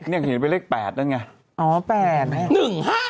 นี่เห็นเป็นเลข๘นั่นไง